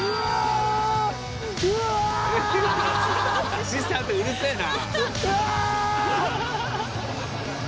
アシスタントうるせえな！